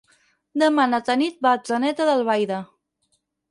Demà na Tanit va a Atzeneta d'Albaida.